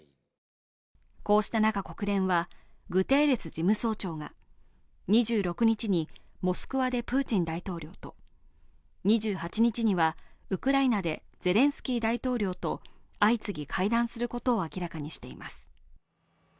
こうした中、国連はグテーレス事務総長が２６日にモスクワでプーチン大統領と２８日には、ウクライナでゼレンスキー大統領と相次ぎ会談することを明らかにしています。